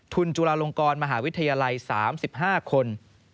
จุฬาลงกรมหาวิทยาลัย๓๕คน